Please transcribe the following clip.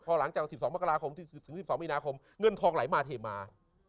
พอหลังจาก๑๒มกราคมถึง๑๒มีนาคมเงินทองไหลมาเทมา